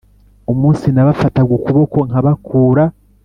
umunsi nabafataga ukuboko nkabakura